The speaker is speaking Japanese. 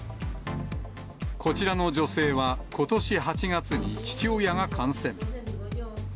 こちらの女性はことし８月に父親が感染。